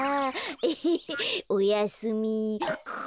エヘヘおやすみ。